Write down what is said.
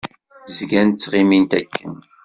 Zgant ttɣimint akken.